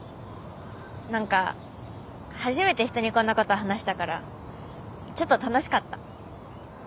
なんか初めて人にこんな事話したからちょっと楽しかった。